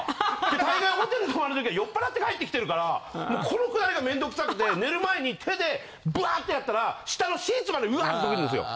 大概ホテル泊まる時は酔っぱらって帰ってきてるからもうこのくだりが面倒くさくて寝る前に手でぶわってやったら下のシーツまでうわっと伸びるんですよ。